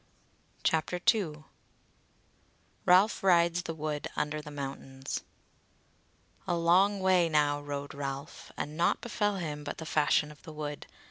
CHAPTER 2 Ralph Rides the Wood Under the Mountains A long way now rode Ralph, and naught befell him but the fashion of the wood.